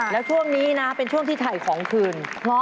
แล้วช่วงนี้นะเป็นช่วงที่ถ่ายของคืน